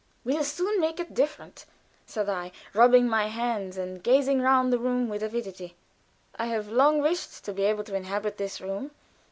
"We'll soon make it different," said I, rubbing my hands and gazing round the room with avidity. "I have long wished to be able to inhabit this room.